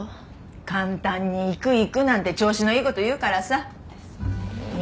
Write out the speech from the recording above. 簡単に「行く行く」なんて調子のいい事言うからさ。ですよね。